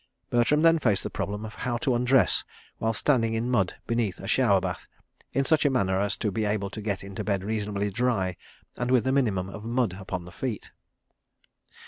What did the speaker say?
... Bertram then faced the problem of how to undress while standing in mud beneath a shower bath, in such a manner as to be able to get into bed reasonably dry and with the minimum of mud upon the feet.